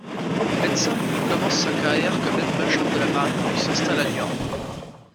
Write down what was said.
Médecin, il commence sa carrière comme aide-major de la Marine, puis s'installe à Niort.